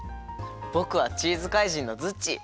ぼくはチーズ怪人のズッチー！